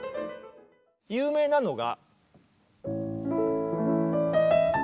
有名なのが。